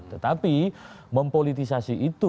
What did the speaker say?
tetapi mempolitisasi itu